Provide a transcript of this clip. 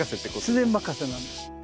自然任せなんです。